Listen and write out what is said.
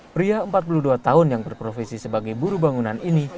pria empat puluh dua tahun yang berprofesi sebagai buru bangunan ini